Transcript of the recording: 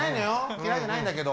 嫌いじゃないんだけど。